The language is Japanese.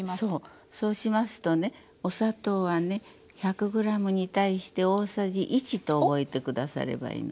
そうしますとねお砂糖はね１００ｇに対して大さじ１と覚えて下さればいいの。